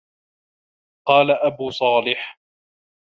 قَالَ أَبُو صَالِحٍ